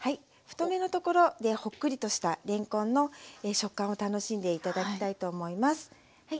太めのところでホックリとしたれんこんの食感を楽しんで頂きたいと思います。